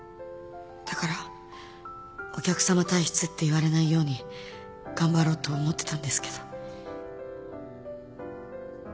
だからお客さま体質って言われないように頑張ろうと思ってたんですけど。